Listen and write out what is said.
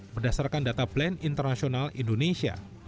berdasarkan data bland internasional indonesia